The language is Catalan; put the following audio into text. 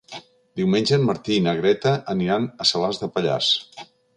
Diumenge en Martí i na Greta aniran a Salàs de Pallars.